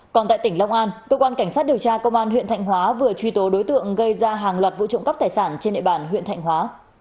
còn tại tỉnh long an cơ quan cảnh sát điều tra công an huyện thạnh hóa vừa truy tố đối tượng gây ra hàng loạt vụ trộm cắp tài sản trên địa bàn huyện thạnh hóa